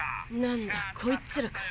なんだこいつらか。